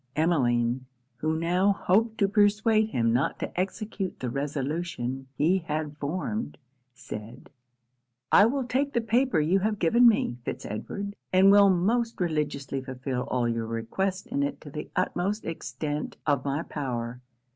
Emmeline, who now hoped to persuade him not to execute the resolution he had formed, said 'I will take the paper you have given me, Fitz Edward, and will most religiously fulfil all your request in it to the utmost extent of my power.